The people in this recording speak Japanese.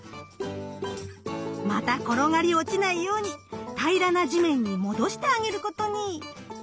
また転がり落ちないように平らな地面に戻してあげることに。